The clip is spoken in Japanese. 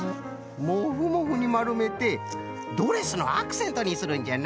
モフモフにまるめてドレスのアクセントにするんじゃな。